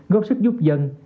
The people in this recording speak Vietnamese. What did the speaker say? góp sức giúp dân